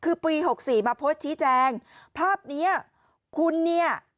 คือปีหกสี่มาโพสต์ชี้แจงภาพเนี้ยคุณเนี่ย